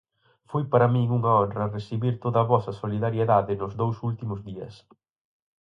Foi para min unha honra recibir toda a vosa solidariedade nos dous últimos días.